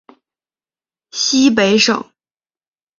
西北省